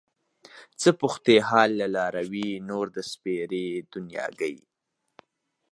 څه پوښتې حال له لاروي نور د سپېرې دنياګۍ